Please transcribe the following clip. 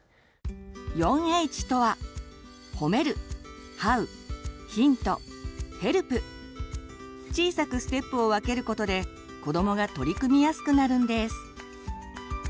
４Ｈとは小さくステップを分けることで子どもが取り組みやすくなるんです。